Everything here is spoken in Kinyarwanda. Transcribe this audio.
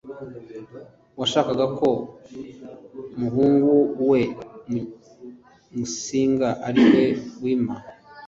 washakaga ko muhungu we musinga ari we wima